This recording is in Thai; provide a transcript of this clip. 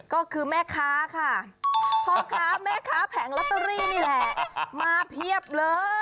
ก็คือแม่ค้าค่ะพ่อค้าแม่ค้าแผงลอตเตอรี่นี่แหละมาเพียบเลย